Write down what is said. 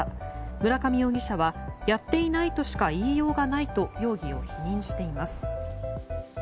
村上容疑者はやっていないとしか言いようがないと容疑を否認しています。